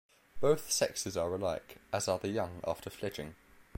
Both sexes are alike, as are the young after fledging.